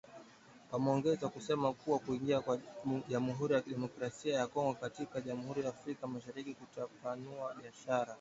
Wameongeza kusema kuwa kuingia kwa Jamhuri ya Kidemokrasia ya Kongo katika Jumuiya ya Afrika Mashariki kutapanua biashara